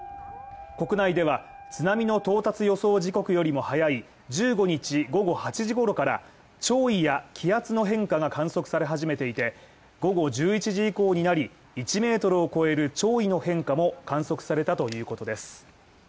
国内では、津波の到達予想時刻よりも早い１５日午後８時ごろから潮位や気圧の変化が観測され始めていて、午後１１時以降になり１ｍを超える潮位の変化も観測されたということです。